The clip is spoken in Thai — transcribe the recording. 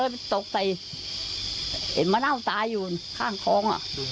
ดูไงจะเห็น